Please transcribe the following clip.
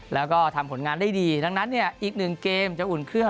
แล้วก็ทำผลงานได้ดีดังนั้นเนี่ยอีกหนึ่งเกมจะอุ่นเครื่อง